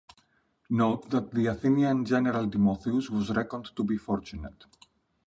Note that the Athenian general Timotheus was reckoned to be fortunate.